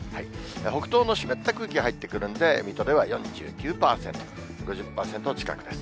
北東の湿った空気が入ってくるんで、水戸では４９％、５０％近くです。